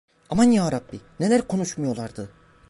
Aman yarabbi, neler konuşmuyorlardı!